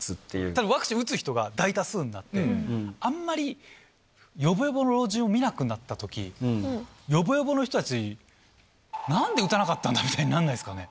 たぶん、ワクチン打つ人が大多数になったら、あんまりよぼよぼの老人を見なくなったとき、よぼよぼの人たち、なんで打たなかったんだみたいになんないですかね。